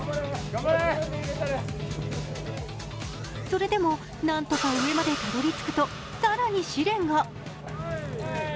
それでも何とか上までたどりつくと、更に試練が。